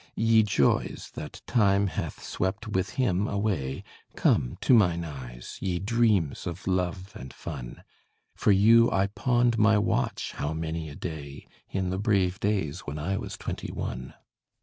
Ye joys, that Time hath swept with him away, Come to mine eyes, ye dreams of love and fun: For you I pawned my watch how many a day, In the brave days when I was twenty one!